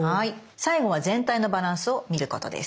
最後は全体のバランスを見ることです。